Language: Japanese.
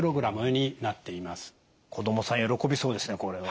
子どもさん喜びそうですねこれは。